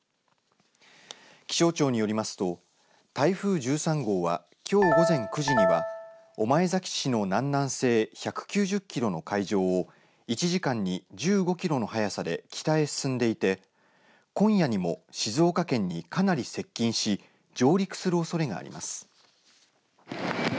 気象庁によりますと台風１３号はきょう午前９時には御前崎市の南南西１９０キロの海上を１時間に１５キロの速さで北へ進んでいて今夜にも静岡県にかなり接近し上陸するおそれがあります。